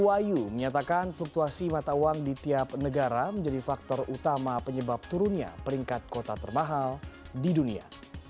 wahyu menyatakan fluktuasi mata uang di tiap negara menjadi faktor utama penyebab turunnya peringkat kota termahal di dunia